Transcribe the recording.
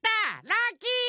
ラッキー！